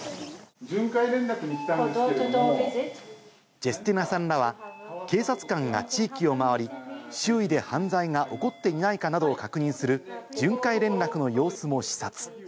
ジェスティナさんらは警察官が地域を回り、周囲で犯罪が起こっていないかなどを確認する巡回連絡の様子も視察。